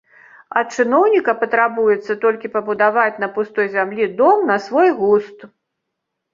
Ад чыноўніка патрабуецца толькі пабудаваць на пустой зямлі дом на свой густ.